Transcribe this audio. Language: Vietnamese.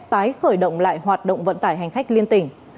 tái khởi động lại hoạt động vận tải hành khách liên tỉnh